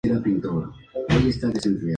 Está ubicada en el río Saona.